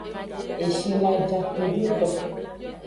Eshi lo ja kpedo eto.